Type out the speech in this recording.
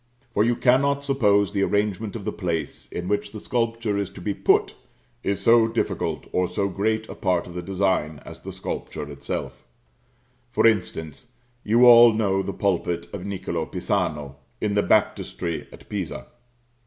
For you cannot suppose the arrangement of the place in which the sculpture is to be put is so difficult or so great a part of the design as the sculpture itself. For instance: you all know the pulpit of Niccolo Pisano, in the baptistry at Pisa.